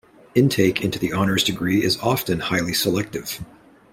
Intake into the honours degree is often highly selective.